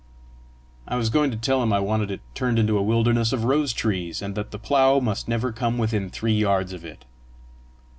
"I was going to tell him I wanted it turned into a wilderness of rose trees, and that the plough must never come within three yards of it."